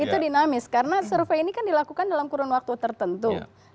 itu dinamis karena survei ini kan dilakukan dalam kurun waktu tertentu